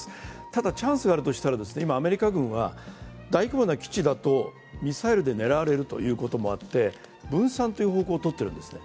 ただチャンスがあるとしたら、今、アメリカ軍は大規模な基地でとミサイルで狙われるということもあって分散という方向をとってるんですね。